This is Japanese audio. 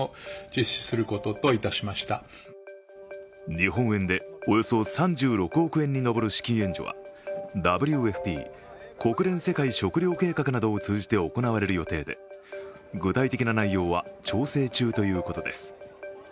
日本円でおよそ３６億円に上る資金援助はＷＦＰ＝国連世界食糧計画などを通じて行われる予定で具体的な内容は調整中ということです。